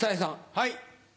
はい。